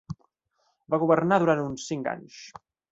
Va governar durant uns cinc anys.